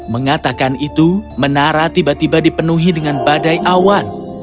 mengatakan itu menara tiba tiba dipenuhi dengan badai awan